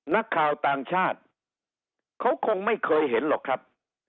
นักข่าวต่างชาติเขาคงไม่เคยเห็นหรอกครับ